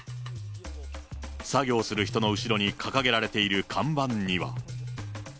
作業する人の後ろに掲げられている看板には。